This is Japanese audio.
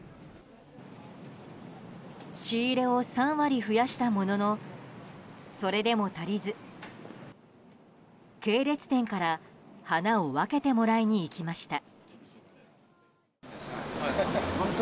仕入れを３割増やしたもののそれでも足りず系列店から花を分けてもらいに行きました。